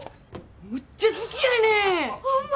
むっちゃ好きやねん！ホンマ！？